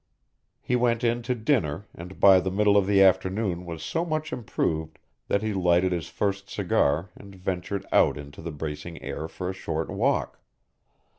He went in to dinner and by the middle of the afternoon was so much improved that he lighted his first cigar and ventured out into the bracing air for a short walk.